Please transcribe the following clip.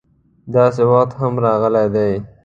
داسې وخت هم راغلی دی.